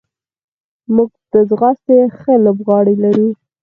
موږ د ځغاستې ښه لوبغاړي لرو.